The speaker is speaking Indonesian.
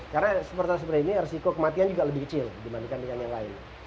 karena sebesar seperti ini resiko kematian juga lebih kecil dibandingkan dengan yang lain